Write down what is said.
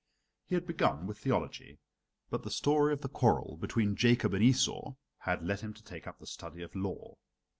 He had begun with theology; but the story of the quarrel between Jacob and Esau had led him to take up the study of law.